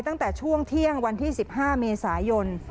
ตั้งแต่ช่วงเที่ยงวันที่๑๕เมษายน